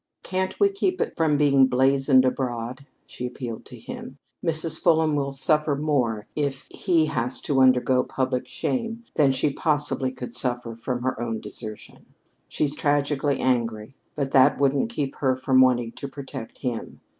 "Can't we keep it from being blazoned abroad?" she appealed to him. "Mrs. Fulham will suffer more if he has to undergo public shame than she possibly could suffer from her own desertion. She's tragically angry, but that wouldn't keep her from wanting to protect him.